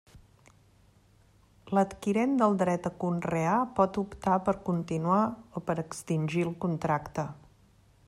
L'adquirent del dret a conrear pot optar per continuar o per extingir el contracte.